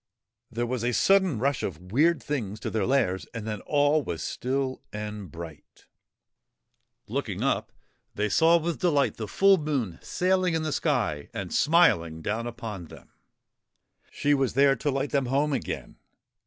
There was a sudden rush of weird things to their lairs, and then all was still and bright. Looking up, they saw with 13 THE BURIED MOON delight the full Moon sailing in the sky and smiling down upon them. She was there to light them home again.